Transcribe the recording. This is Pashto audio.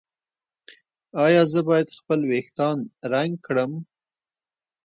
ایا زه باید خپل ویښتان رنګ کړم؟